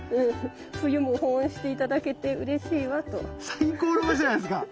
最高の場所じゃないですか。